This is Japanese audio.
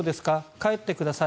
「帰ってください」